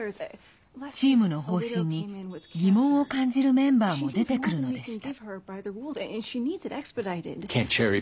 チームの方針に疑問を感じるメンバーも出てくるのでした。